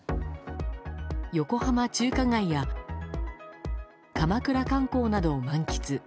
横浜中華街や鎌倉観光などを満喫。